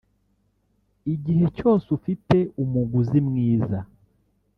Igihe cyose ufite umuguzi mwiza